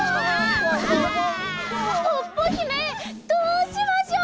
ポッポひめどうしましょう？